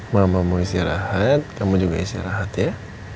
mamamu istirahat kamu juga istirahat ya